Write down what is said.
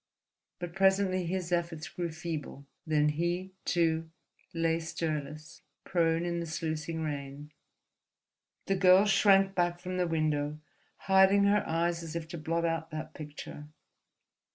But presently his efforts grew feeble, then he, too, lay stirless, prone in the sluicing rain. The girl shrank back from the window, hiding her eyes as if to blot out that picture.